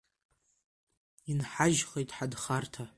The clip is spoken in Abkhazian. Инҳажьхьеит ҳанхарҭа…